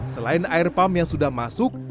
selain air pump yang sudah masuk